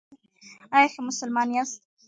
ایا ښه مسلمان یاست؟